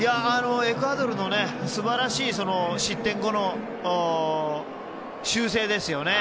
エクアドルの素晴らしい失点後の修正ですよね。